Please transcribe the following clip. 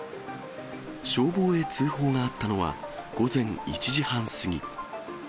消防へ通報があったのは、午前１時半過ぎ。